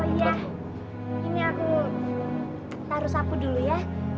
ini aku taruh sapu dulu ya